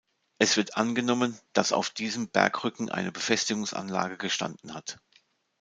Es wird angenommen, dass auf diesem Bergrücken eine Befestigungsanlage gestanden hat.